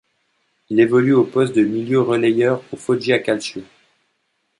Il évolue au poste de milieu relayeur au Foggia Calcio.